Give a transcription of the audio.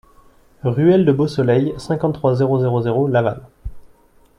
Ruelle de Beausoleil, cinquante-trois, zéro zéro zéro Laval